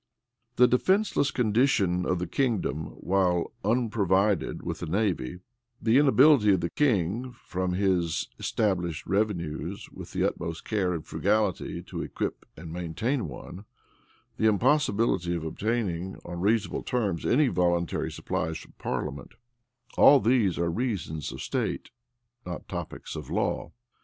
The defenceless condition of the kingdom while unprovided with a navy; the inability of the king, from his established revenues, with the utmost care and frugality, to equip and maintain one; the impossibility of obtaining, on reasonable terms, any voluntary supply from parliament; all these are reasons of state, not topics of law.